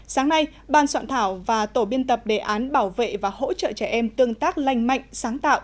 sáng nay ban soạn thảo và tổ biên tập đề án bảo vệ và hỗ trợ trẻ em tương tác lành mạnh sáng tạo